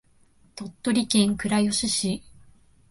鳥取県倉吉市